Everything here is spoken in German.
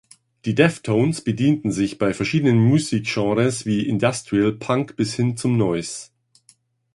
Die Deftones bedienten sich bei verschiedenen Musikgenres wie Industrial, Punk bis hin zum Noise.